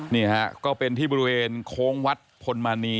นี่ฮะก็เป็นที่บริเวณโค้งวัดพลมณี